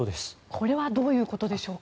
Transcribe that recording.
これはどういうことでしょうか？